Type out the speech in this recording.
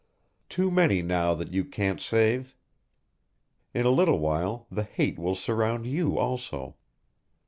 Too many now that you can't save; in a little while the hate will surround you also.